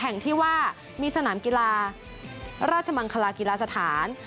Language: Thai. แห่งที่ว่ามีสนามกีฬาราชมังคลากีฬาสถาน